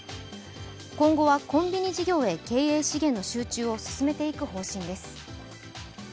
今後はコンビニ事業へ経営資源の集中を進めていく方針です。